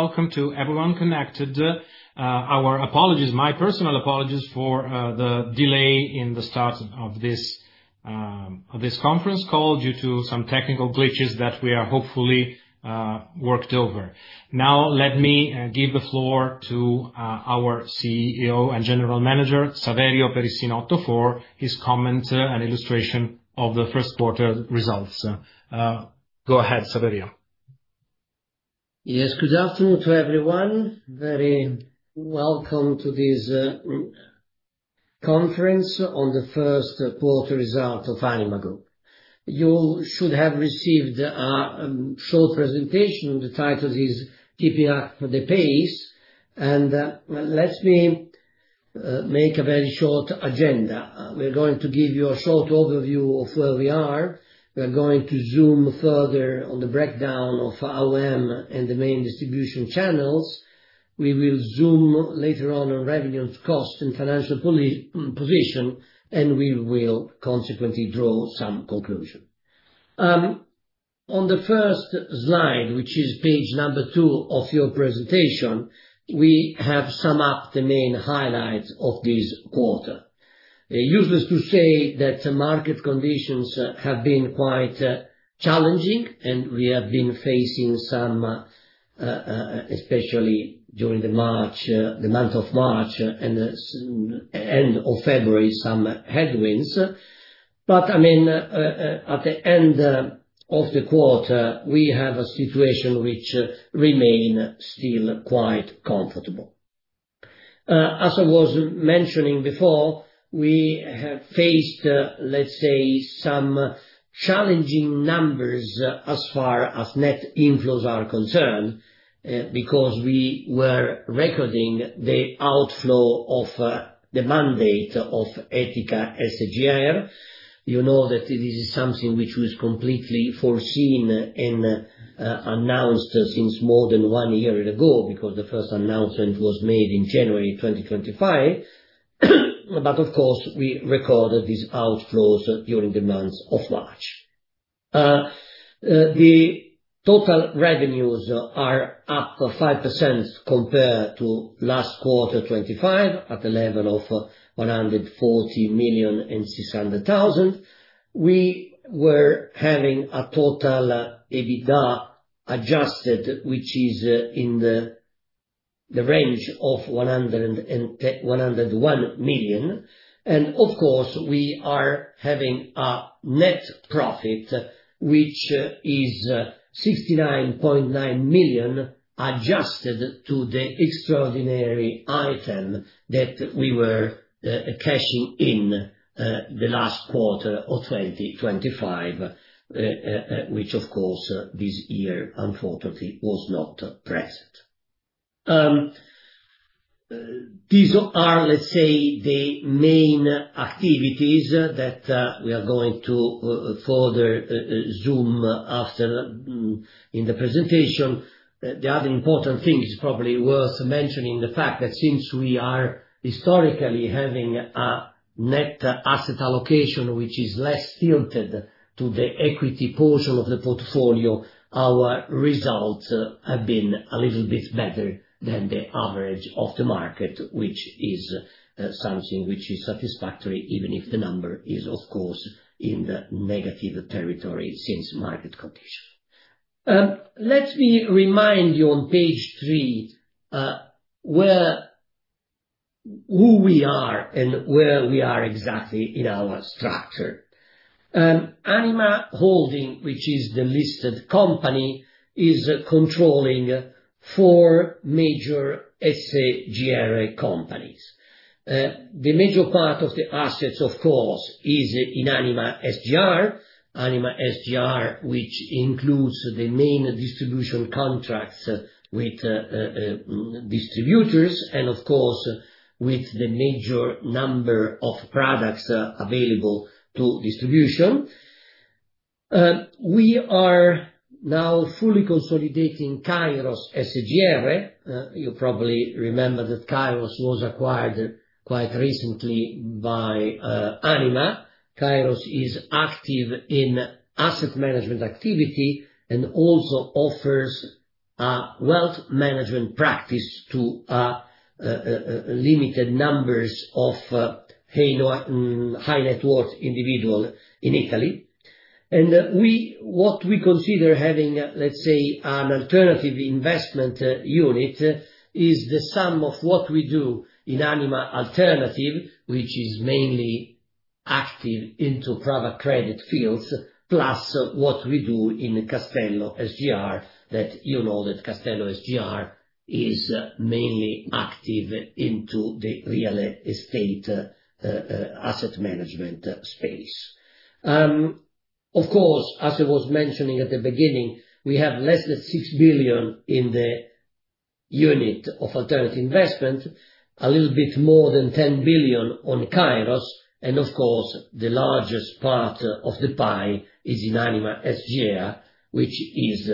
Welcome to Everyone Connected. Our apologies, my personal apologies, for the delay in the start of this conference call due to some technical glitches that we have hopefully worked over. Let me give the floor to our CEO and General Manager, Saverio Perissinotto, for his comment and illustration of the first quarter results. Go ahead, Saverio. Yes. Good afternoon to everyone. Very welcome to this conference on the first quarter results of Anima Group. You should have received our short presentation. The title is "Keeping Up the Pace," and let me make a very short agenda. We're going to give you a short overview of where we are. We are going to zoom further on the breakdown of AUM and the main distribution channels. We will zoom later on our revenues, costs, and financial position, and we will consequently draw some conclusion. On the first slide, which is page number two of your presentation, we have sum up the main highlights of this quarter. It's useless to say that market conditions have been quite challenging, and we have been facing some, especially during the month of March and end of February, some headwinds. At the end of the quarter, we have a situation which remain still quite comfortable. As I was mentioning before, we have faced, let's say, some challenging numbers as far as net inflows are concerned, because we were recording the outflow of the mandate of Etica SGR. You know that this is something which was completely foreseen and announced since more than one year ago, because the first announcement was made in January 2025. Of course, we recorded these outflows during the month of March. The total revenues are up 5% compared to last quarter, 2025, at a level of 140,600,000. We were having a total EBITDA adjusted, which is in the range of 101 million. Of course, we are having a net profit, which is 69.9 million, adjusted to the extraordinary item that we were cashing in the last quarter of 2025, which of course, this year, unfortunately, was not present. These are, let's say, the main activities that we are going to further zoom after in the presentation. The other important thing is probably worth mentioning the fact that since we are historically having a net asset allocation, which is less filtered to the equity portion of the portfolio, our results have been a little bit better than the average of the market, which is something which is satisfactory, even if the number is, of course, in the negative territory since market condition. Let me remind you on page three who we are and where we are exactly in our structure. Anima Holding, which is the listed company, is controlling four major SGR companies. The major part of the assets, of course, is in Anima SGR. Anima SGR, which includes the main distribution contracts with distributors and of course, with the major number of products available to distribution. We are now fully consolidating Kairos SGR. You probably remember that Kairos was acquired quite recently by Anima. Kairos is active in asset management activity and also offers a wealth management practice to limited numbers of high net worth individual in Italy. What we consider having, let's say, an alternative investment unit is the sum of what we do in Anima Alternative, which is mainly active into private credit fields, plus what we do in Castello SGR, that you know that Castello SGR is mainly active into the real estate asset management space. As I was mentioning at the beginning, we have less than 6 billion in Anima Alternative, a little bit more than 10 billion on Kairos, the largest part of the pie is in Anima SGR, which is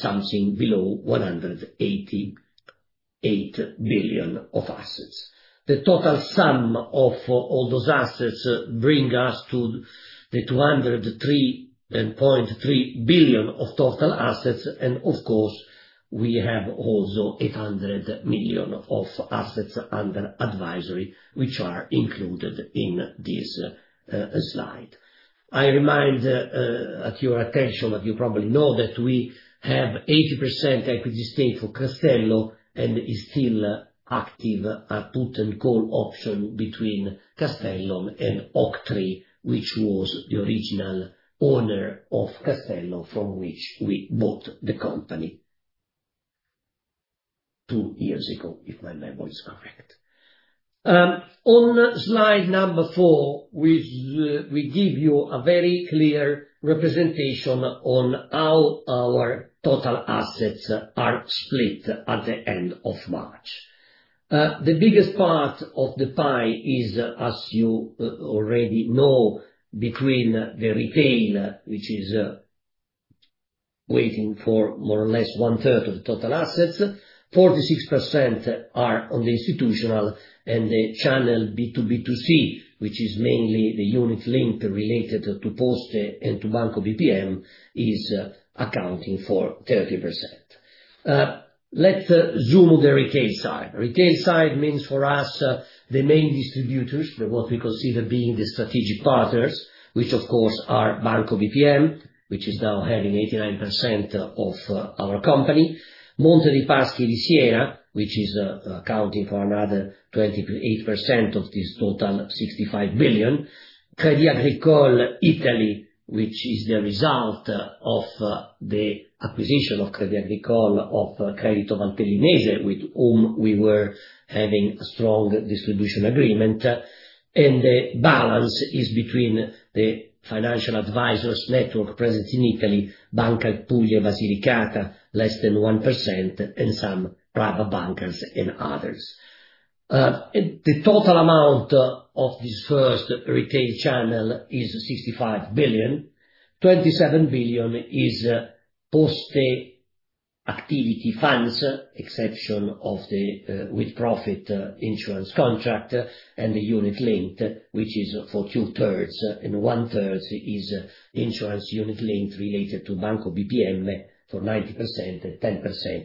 something below 180.8 billion of assets. The total sum of all those assets bring us to the 203.3 billion of total assets, we have also 800 million of assets under advisory, which are included in this slide. I remind at your attention, you probably know, that we have 80% equity stake for Castello, is still active, a put and call option between Castello and Oaktree, which was the original owner of Castello, from which we bought the company two years ago, if my memory is correct. On slide number four, we give you a very clear representation on how our total assets are split at the end of March. The biggest part of the pie is, as you already know, between the retail, which is weighing for more or less one third of the total assets. 46% are on the institutional. The channel B2B2C, which is mainly the unit-linked related to Poste and to Banco BPM, is accounting for 30%. Let's zoom the retail side. Retail side means, for us, the main distributors, what we consider being the strategic partners, which, of course, are Banco BPM, which is now having 89% of our company. Monte dei Paschi di Siena, which is accounting for another 28% of this total 65 billion. Crédit Agricole Italia, which is the result of the acquisition of Crédit Agricole of Credito Valtellinese, with whom we were having a strong distribution agreement. The balance is between the financial advisors network present in Italy, Banca Puglia Basilicata, less than 1%, and some private bankers and others. The total amount of this first retail channel is 65 billion. 27 billion is Poste active funds, exception of the with-profit insurance contract and the unit-linked, which is for two-thirds, and one-third is insurance unit-linked related to Banco BPM for 90%, and 10%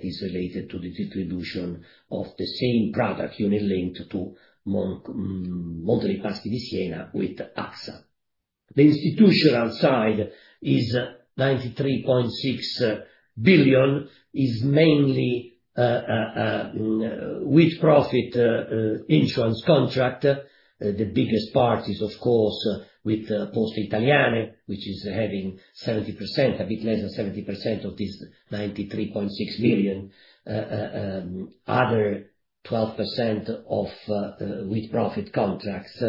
is related to the distribution of the same product, unit-linked to Monte dei Paschi di Siena with AXA. The institutional side is EUR 93.6 billion. It's mainly a with-profit insurance contract. The biggest part is, of course, with Poste Italiane, which is having 70%, a bit less than 70% of this 93.6 billion. Other 12% of with-profit contracts,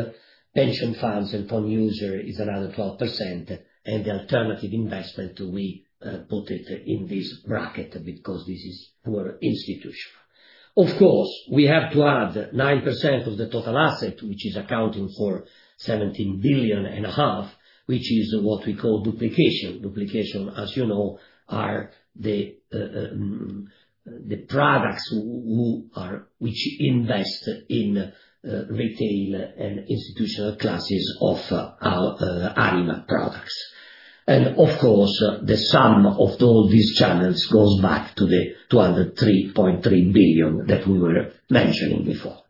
pension funds and fund buyers is another 12%, and the alternative investment, we put it in this bracket because this is for institutional. Of course, we have to add 9% of the total asset, which is accounting for 17 billion and a half, which is what we call duplication. Duplication, as you know, are the products which invest in retail and institutional classes of our Anima products. Of course, the sum of all these channels goes back to the 203.3 billion that we were mentioning before.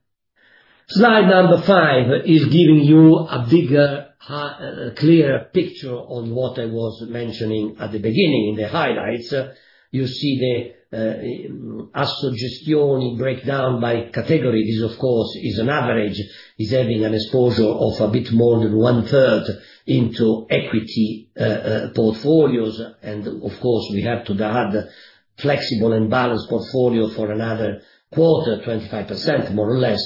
Slide number five is giving you a bigger, clearer picture on what I was mentioning at the beginning in the highlights. You see the asset gestiti breakdown by category. This, of course, is an average, is having an exposure of a bit more than one-third into equity portfolios. Of course, we have to add flexible and balanced portfolio for another quarter, 25%, more or less.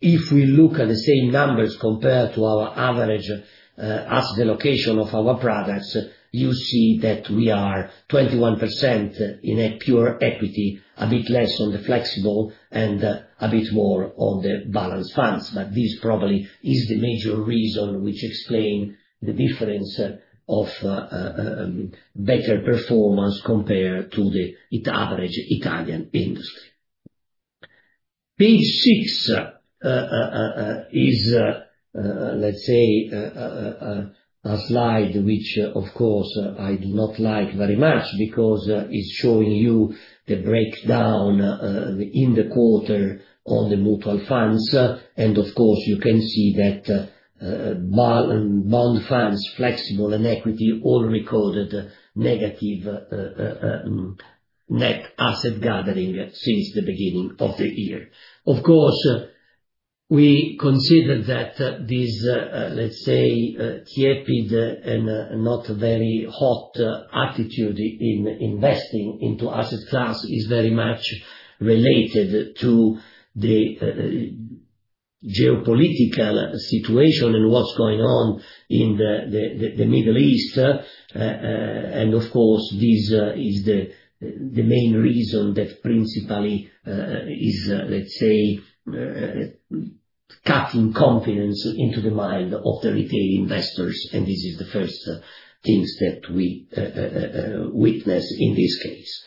If we look at the same numbers compared to our average asset allocation of our products, you see that we are 21% in a pure equity, a bit less on the flexible, and a bit more on the balanced funds. This probably is the major reason which explain the difference of better performance compared to the average Italian industry. Page six is, let's say, a slide which, of course, I do not like very much because it's showing you the breakdown in the quarter of the mutual funds. Of course, you can see that bond funds, flexible, and equity all recorded negative net asset gathering since the beginning of the year. Of course, we consider that this, let's say, tepid and not very hot attitude in investing into asset class is very much related to the geopolitical situation and what's going on in the Middle East. Of course, this is the main reason that principally is, let's say, cutting confidence into the mind of the retail investors, and this is the first thing that we witness in this case.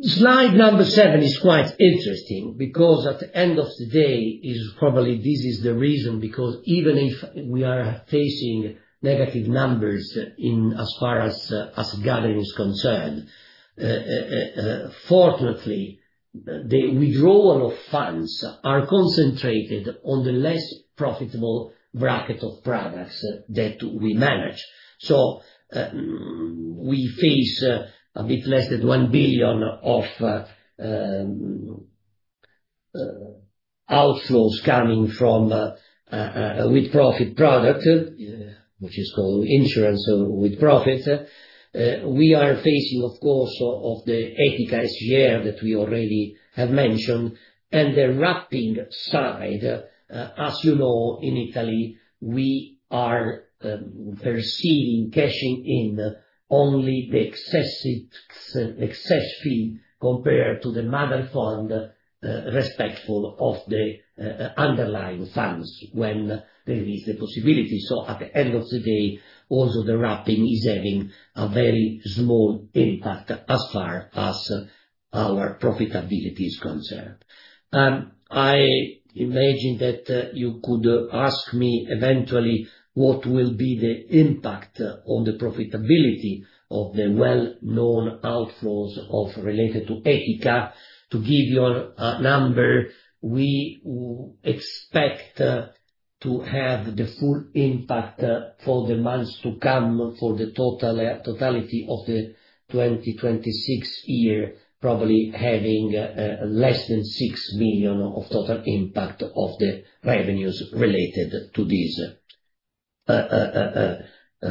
Slide number seven is quite interesting because at the end of the day, probably this is the reason, because even if we are facing negative numbers as far as asset gathering is concerned, fortunately, the withdrawal of funds are concentrated on the less profitable bracket of products that we manage. We face a bit less than 1 billion of outflows coming from a with profit product, which is called insurance with profit. We are facing, of course, of the Etica SGR that we already have mentioned. The wrapping side, as you know, in Italy, we are perceiving cashing in only the excess fee compared to the mother fund, respectful of the underlying funds when there is the possibility. At the end of the day, also the wrapping is having a very small impact as far as our profitability is concerned. I imagine that you could ask me eventually what will be the impact on the profitability of the well-known outflows related to Etica. To give you a number, we expect to have the full impact for the months to come for the totality of the 2026 year, probably having less than 6 million of total impact of the revenues related to this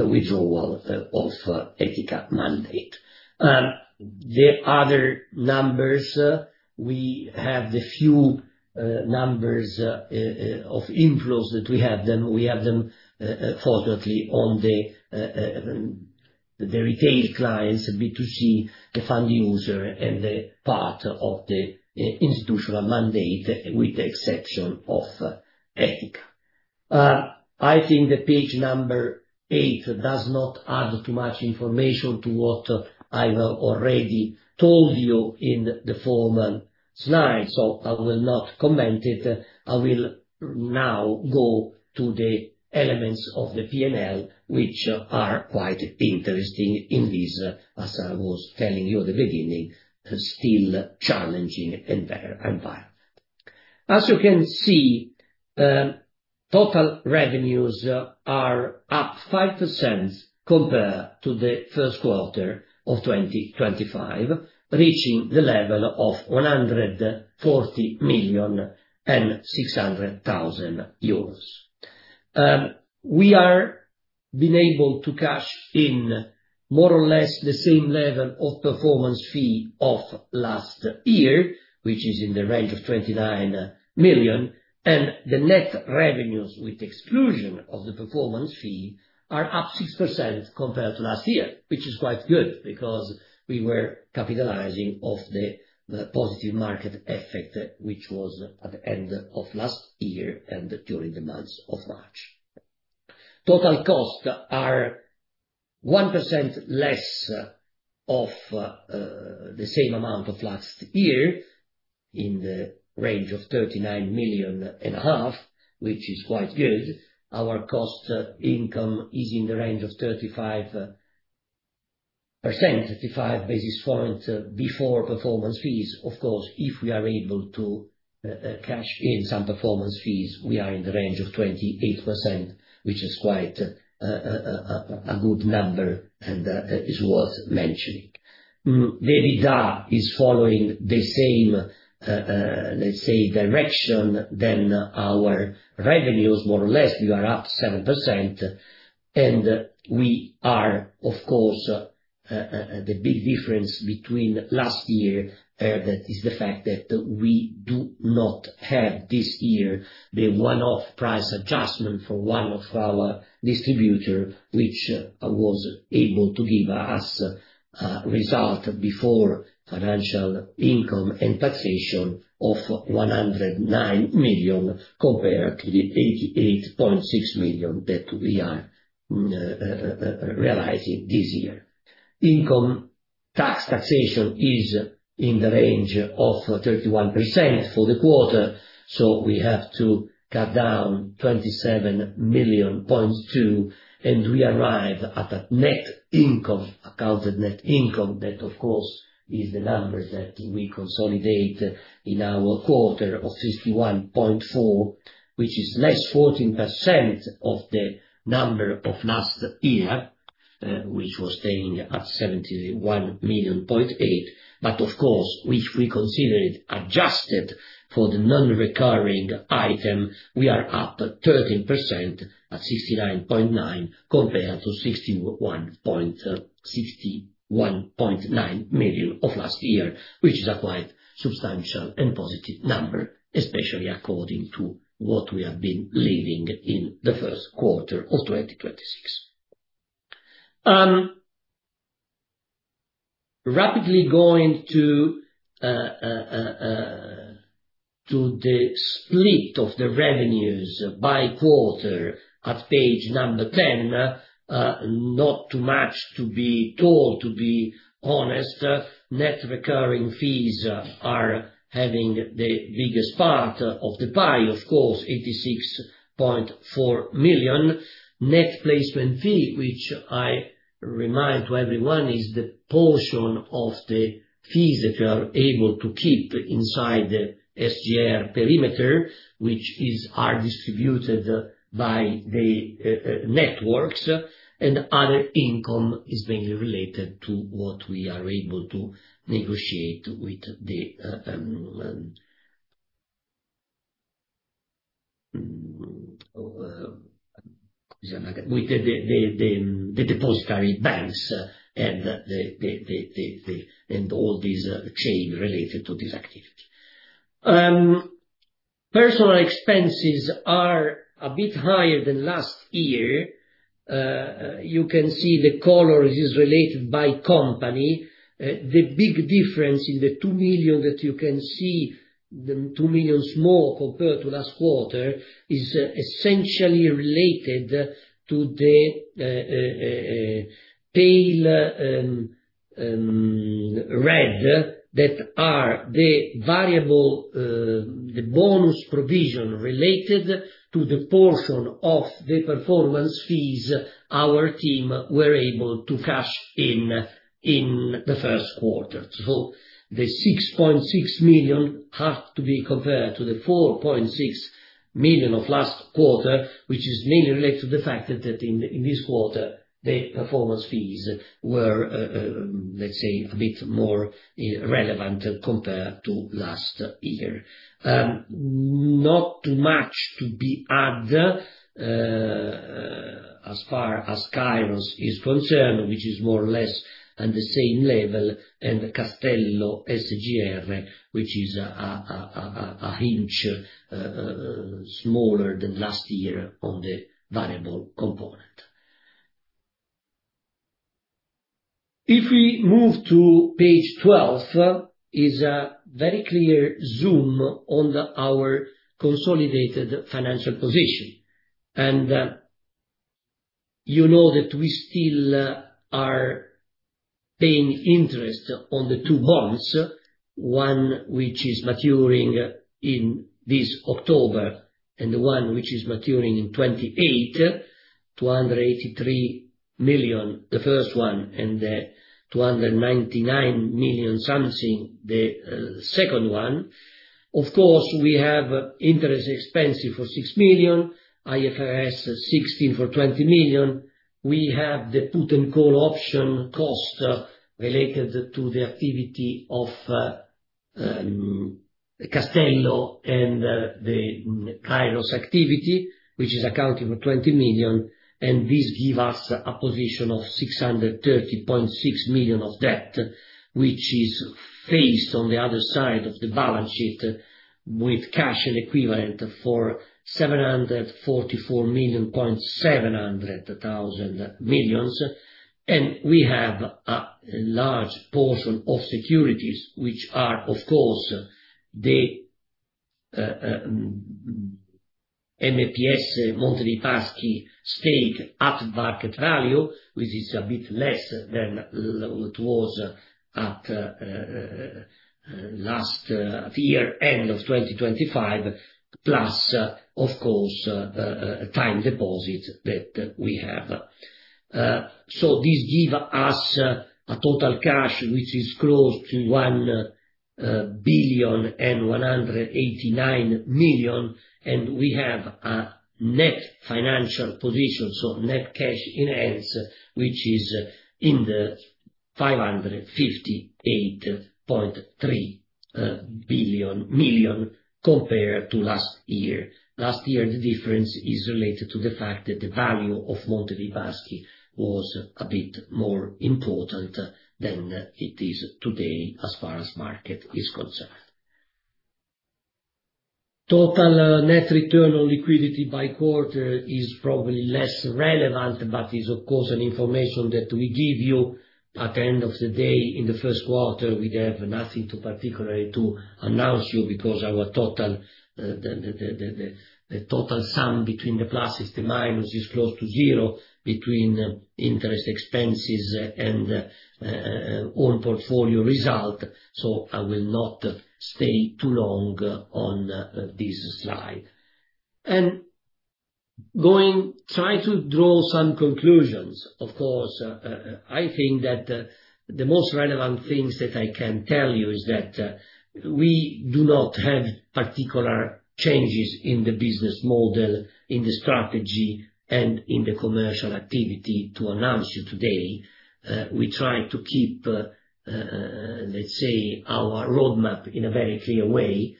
withdrawal of Etica mandate. The other numbers, we have the few numbers of inflows that we have, we have them fortunately on the retail clients, B2C, the fund user, and the part of the institutional mandate, with the exception of Etica. I think the page number eight does not add too much information to what I've already told you in the former slide, so I will not comment it. I will now go to the elements of the P&L, which are quite interesting in this, as I was telling you at the beginning, still challenging environment. As you can see, total revenues are up 5% compared to the first quarter of 2025, reaching the level of EUR 140,600,000. We are being able to cash in more or less the same level of performance fee of last year, which is in the range of 29 million, and the net revenues with exclusion of the performance fee are up 6% compared to last year, which is quite good because we were capitalizing off the positive market effect, which was at the end of last year and during the month of March. Total costs are 1% less of the same amount of last year in the range of 39 million and a half, which is quite good. Our cost income is in the range of 35 basis points before performance fees. Of course, if we are able to cash in some performance fees, we are in the range of 28%, which is quite a good number and is worth mentioning. The EBITDA is following the same, let's say, direction than our revenues, more or less. We are up 7% and, of course, the big difference between last year is the fact that we do not have this year the one-off price adjustment for one of our distributor, which was able to give us a result before financial income and taxation of 109 million compared to the 88.6 million that we are realizing this year. Income tax taxation is in the range of 31% for the quarter, so we have to cut down 27.2 million, and we arrive at a net income, accounted net income. That, of course, is the number that we consolidate in our quarter of 61.4 million, which is less 14% of the number of last year, which was staying at 71.8 million. Of course, if we consider it adjusted for the non-recurring item, we are up 13% at 69.9 compared to 61.9 million of last year, which is a quite substantial and positive number, especially according to what we have been living in the first quarter of 2026. Rapidly going to the split of the revenues by quarter at page number 10. Not too much to be told, to be honest. Net recurring fees are having the biggest part of the pie, of course, 86.4 million. Net placement fee, which I remind to everyone, is the portion of the fees that you are able to keep inside the SGR perimeter, which are distributed by the networks, and other income is mainly related to what we are able to negotiate with the depository banks and all this chain related to this activity. Personal expenses are a bit higher than last year. You can see the color is related by company. The big difference in the 2 million that you can see, the 2 million small compared to last quarter, is essentially related to the tailored that are the bonus provision related to the portion of the performance fees our team were able to cash in the first quarter. The 6.6 million have to be compared to the 4.6 million of last quarter, which is mainly related to the fact that in this quarter, the performance fees were, let's say, a bit more relevant compared to last year. Not too much to be add as far as Kairos is concerned, which is more or less at the same level, and Castello SGR, which is a tad smaller than last year on the variable component. If we move to page 12, is a very clear zoom on our consolidated financial position. You know that we still are paying interest on the two bonds, one which is maturing in this October and one which is maturing in 2028, 283 million, the first one, and 299 million something, the second one. Of course, we have interest expenses for 6 million, IFRS 16 for 20 million. We have the put and call option cost related to the activity of Castello and the Kairos activity, which is accounting for 20 million, and this give us a position of 630.6 million of debt, which is faced on the other side of the balance sheet with cash and equivalent for 744.7 million. We have a large portion of securities, which are, of course, the MPS, Monte dei Paschi stake at market value, which is a bit less than it was at last year, end of 2025, plus, of course, time deposit that we have. This give us a total cash, which is close to 1.189 billion, and we have a net financial position, so net cash in hands, which is in the 558.3 million compared to last year. Last year, the difference is related to the fact that the value of Monte dei Paschi was a bit more important than it is today as far as market is concerned. Total net return on liquidity by quarter is probably less relevant, but is, of course, an information that we give you. At the end of the day, in the first quarter, we have nothing to particularly to announce you because the total sum between the pluses, the minus is close to zero between interest expenses and own portfolio result. I will not stay too long on this slide. Try to draw some conclusions. Of course, I think that the most relevant things that I can tell you is that we do not have particular changes in the business model, in the strategy, and in the commercial activity to announce you today. We try to keep, let's say, our roadmap in a very clear way.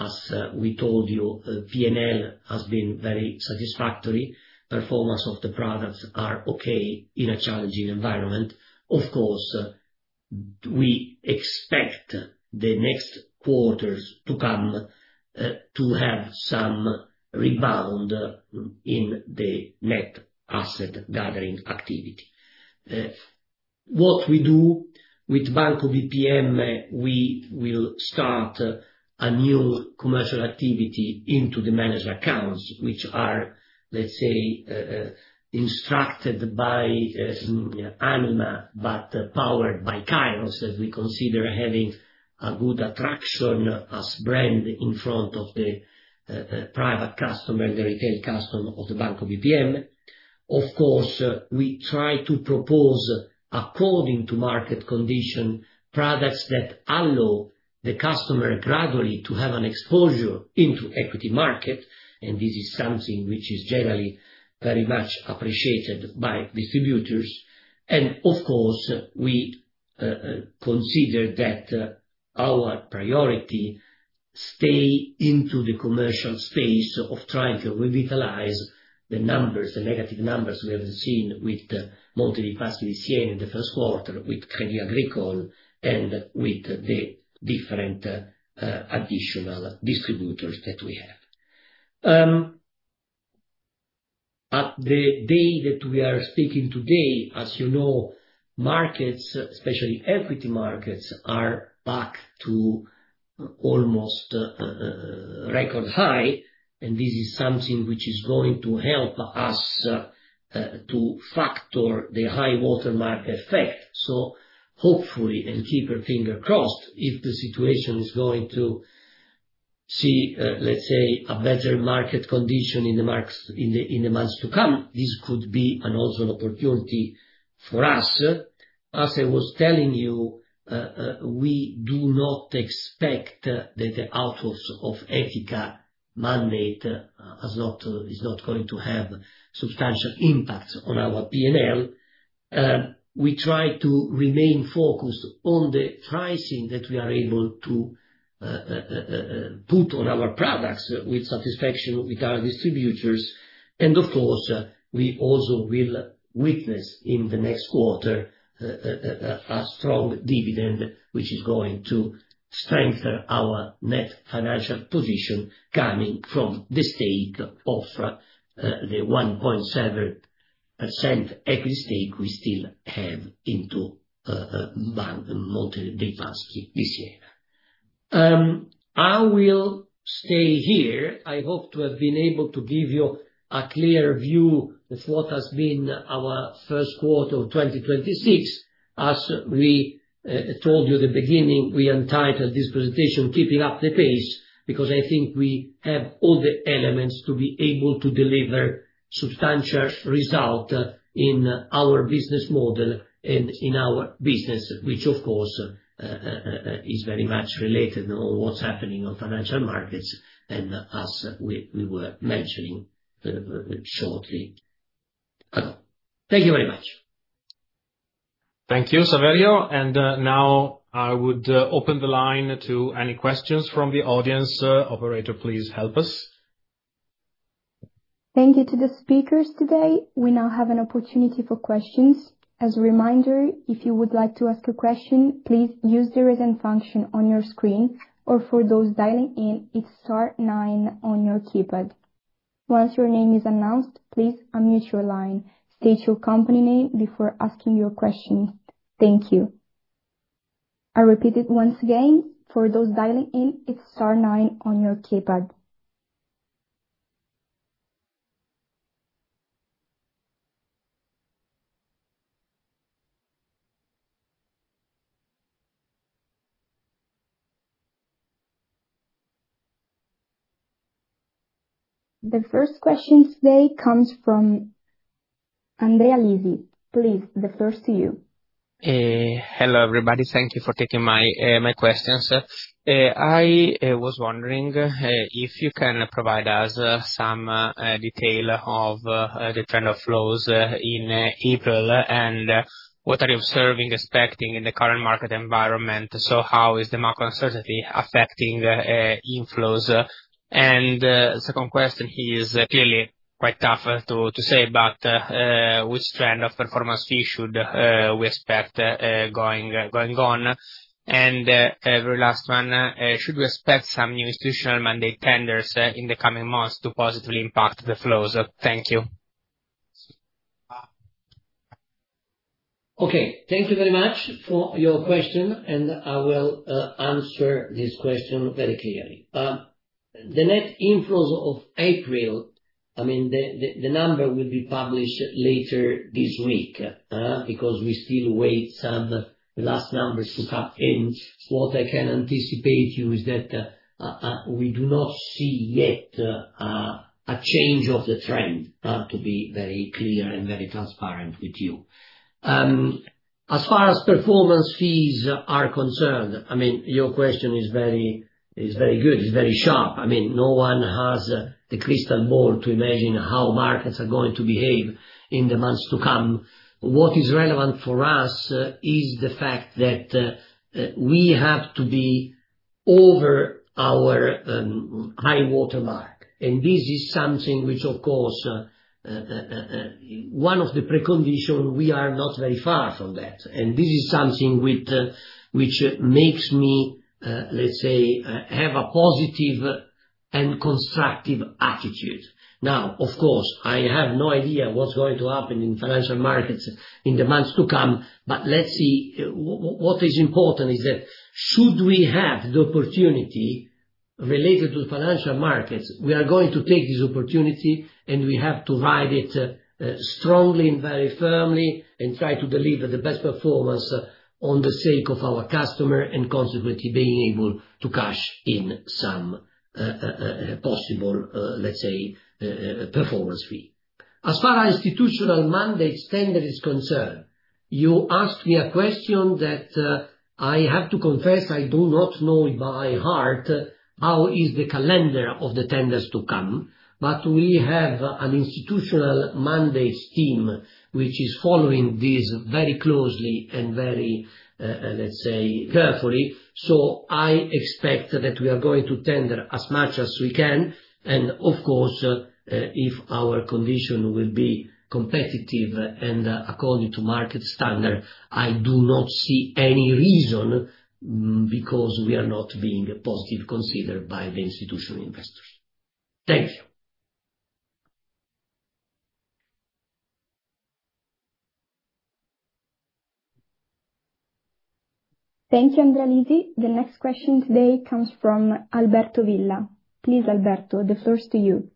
As we told you, P&L has been very satisfactory. Performance of the products are okay in a challenging environment. Of course. We expect the next quarters to come to have some rebound in the net asset gathering activity. What we do with Banco BPM, we will start a new commercial activity into the managed accounts, which are, let's say, instructed by Anima, but powered by Kairos, as we consider having a good attraction as brand in front of the private customer, the retail customer of the Banco BPM. Of course, we try to propose, according to market condition, products that allow the customer gradually to have an exposure into equity market. This is something which is generally very much appreciated by distributors. Of course, we consider that our priority stay into the commercial space of trying to revitalize the negative numbers we have seen with Monte dei Paschi di Siena in the first quarter, with Crédit Agricole, and with the different additional distributors that we have. At the day that we are speaking today, as you know, markets, especially equity markets, are back to almost record high, and this is something which is going to help us to factor the high-water mark effect. Hopefully, and keep your finger crossed, if the situation is going to see, let's say, a better market condition in the months to come, this could be also an opportunity for us. As I was telling you, we do not expect that the outflows of Etica mandate is not going to have substantial impacts on our P&L. We try to remain focused on the pricing that we are able to put on our products with satisfaction with our distributors. Of course, we also will witness in the next quarter a strong dividend, which is going to strengthen our net financial position coming from the stake of the 1.7% equity stake we still have into Monte dei Paschi di Siena. I will stay here. I hope to have been able to give you a clear view of what has been our first quarter of 2026. As we told you at the beginning, we entitled this presentation, "Keeping up the Pace," because I think we have all the elements to be able to deliver substantial result in our business model and in our business, which, of course, is very much related on what's happening on financial markets, and as we were mentioning shortly ago. Thank you very much. Thank you, Saverio. Now I would open the line to any questions from the audience. Operator, please help us. Thank you to the speakers today. We now have an opportunity for questions. As a reminder, if you would like to ask a question, please use the Raise Hand function on your screen, or for those dialing in, it's star 9 on your keypad. Once your name is announced, please unmute your line. State your company name before asking your questions. Thank you. I repeat it once again. For those dialing in, it's star 9 on your keypad. The first question today comes from Andrea Lisi. Please, the floor is to you. Hello, everybody. Thank you for taking my questions. I was wondering if you can provide us some detail of the trend of flows in April, and what are you observing, expecting in the current market environment. How is the market uncertainty affecting inflows? Second question is clearly quite tough to say, but which trend of performance fee should we expect going on? Very last one, should we expect some new institutional mandate tenders in the coming months to positively impact the flows? Thank you. Okay. Thank you very much for your question. I will answer this question very clearly. The net inflows of April, the number will be published later this week, because we still wait some last numbers to come in. What I can anticipate you is that we do not see yet a change of the trend, to be very clear and very transparent with you. As far as performance fees are concerned, your question is very good. It's very sharp. No one has the crystal ball to imagine how markets are going to behave in the months to come. What is relevant for us is the fact that we have to be over our high-water mark. This is something which, of course, one of the preconditions, we are not very far from that. This is something which makes me, let's say, have a positive and constructive attitude. Of course, I have no idea what's going to happen in financial markets in the months to come, but let's see. What is important is that should we have the opportunity related to financial markets, we are going to take this opportunity, we have to ride it strongly and very firmly and try to deliver the best performance on the sake of our customer, and consequently, being able to cash in some possible, let's say, performance fee. As far as institutional mandate tender is concerned, you asked me a question that I have to confess, I do not know by heart how is the calendar of the tenders to come. We have an institutional mandates team which is following this very closely and very, let's say, carefully. I expect that we are going to tender as much as we can, and of course, if our condition will be competitive and according to market standard, I do not see any reason because we are not being positively considered by the institutional investors. Thank you. Thank you, Andrea Lisi. The next question today comes from Alberto Villa. Please, Alberto, the floor is to you.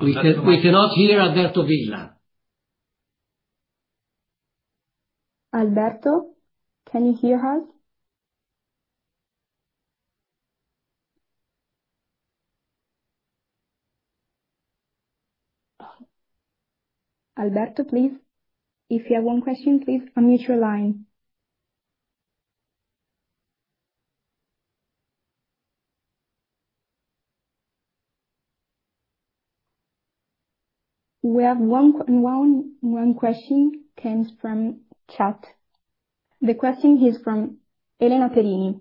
We cannot hear Alberto Villa. Alberto, can you hear us? Alberto, please, if you have one question, please unmute your line. We have one question comes from chat. The question is from Elena Perini.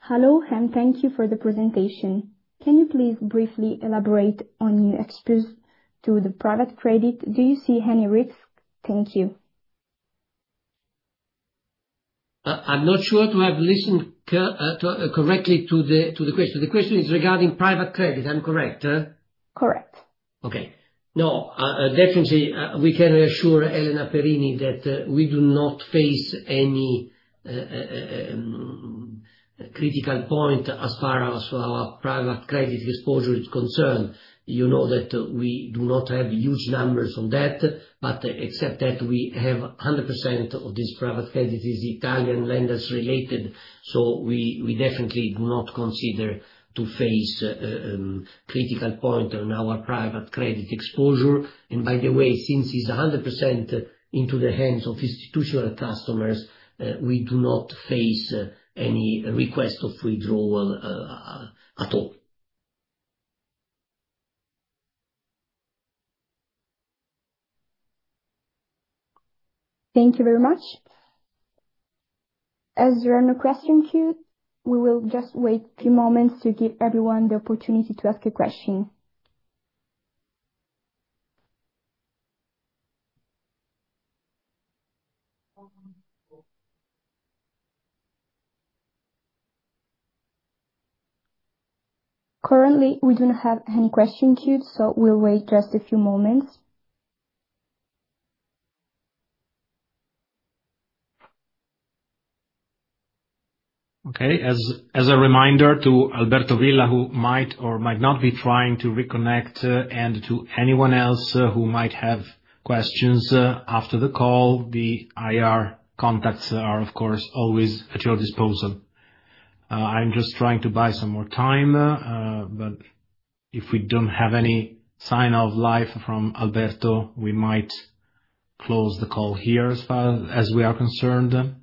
"Hello, and thank you for the presentation. Can you please briefly elaborate on your exposure to the private credit? Do you see any risk? Thank you. I'm not sure to have listened correctly to the question. The question is regarding private credit. Am I correct? Correct. Okay. No, definitely, we can reassure Elena Perini that we do not face any critical point as far as our private credit exposure is concerned. You know that we do not have huge numbers on that, but except that we have 100% of this private credit is Italian lenders related. We definitely do not consider to face a critical point on our private credit exposure. By the way, since it's 100% into the hands of institutional customers, we do not face any request of withdrawal at all. Thank you very much. As there are no questions queued, we will just wait a few moments to give everyone the opportunity to ask a question. Currently, we do not have any question queued, so we'll wait just a few moments. Okay, as a reminder to Alberto Villa, who might or might not be trying to reconnect, and to anyone else who might have questions after the call, the IR contacts are, of course, always at your disposal. I'm just trying to buy some more time, but if we don't have any sign of life from Alberto, we might close the call here as far as we are concerned.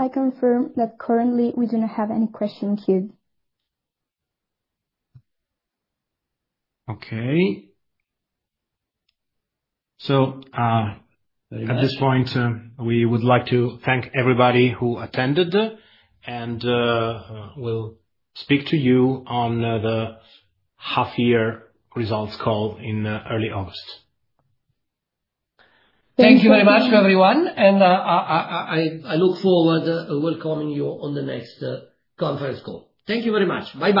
I confirm that currently we do not have any question queued. Okay. At this point, we would like to thank everybody who attended, and we'll speak to you on the half-year results call in early August. Thank you very much, everyone, and I look forward welcoming you on the next conference call. Thank you very much. Bye-bye.